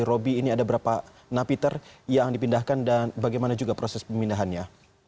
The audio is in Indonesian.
roby ini ada berapa napiter yang dipindahkan dan bagaimana juga proses pemindahannya